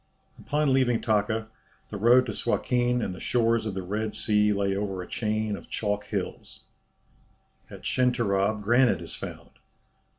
Upon leaving Taka, the road to Suakin and the shores of the Red Sea lay over a chain of chalk hills. At Schenterab granite is found.